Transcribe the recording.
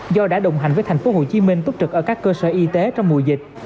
do đã đồng hành với thành phố hồ chí minh túc trực ở các cơ sở y tế trong mùa dịch